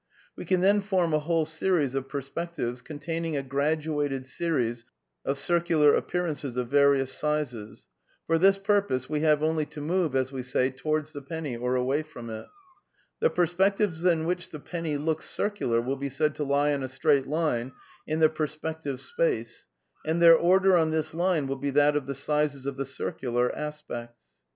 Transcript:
We can then form a whole series of {perspectives containing a graduated series of circular api)earances of various sizes: for this purpose we have only to move (as we say) towards the penny or away from it. The perspectives in which the penny looks circular will be said to lie on a straight line in iierspective space, and their order on this line will be that of die sizes of the circular aspects. .•.